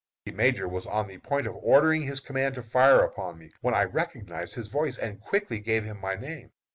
The major was on the point of ordering his command to fire upon me, when I recognized his voice and quickly gave him my name.